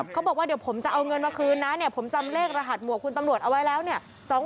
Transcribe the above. เขาบอกว่าเดี๋ยวผมจะเอาเงินมาคืนนะเนี่ยผมจำเลขรหัสหมวกคุณตำรวจเอาไว้แล้วเนี่ย